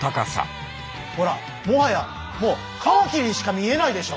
ほらもはやもうカマキリにしか見えないでしょ？